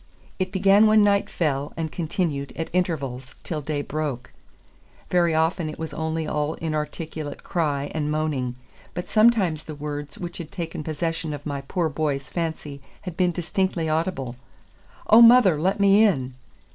It began when night fell, and continued, at intervals, till day broke. Very often it was only all inarticulate cry and moaning, but sometimes the words which had taken possession of my poor boy's fancy had been distinctly audible, "Oh, mother, let me in!"